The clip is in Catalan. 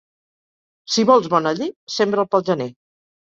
Si vols bon aller, sembra'l pel gener.